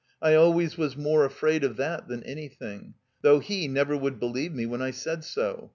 I always was more afraid of that than anything. Though he never would believe me when I said so.